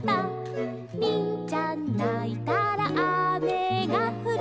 「りんちゃんないたらあめがふる」